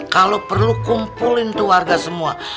kalau perlu kumpulin tuh warga semua